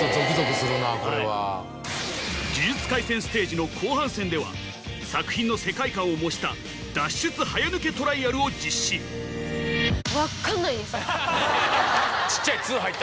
『呪術廻戦』ステージの後半戦では作品の世界観を模した脱出早抜けトライアルを実施ちっちゃい「っ」